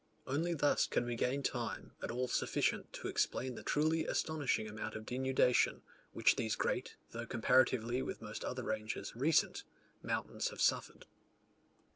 Only thus can we gain time, at all sufficient to explain the truly astonishing amount of denudation, which these great, though comparatively with most other ranges recent, mountains have suffered.